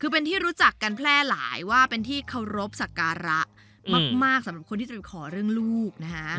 คือเป็นที่รู้จักกันแพร่หลายว่าเป็นที่เคารพสักการะมากสำหรับคนที่จะไปขอเรื่องลูกนะฮะ